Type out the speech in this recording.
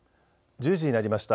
１０時になりました。